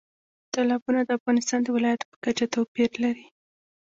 تالابونه د افغانستان د ولایاتو په کچه توپیر لري.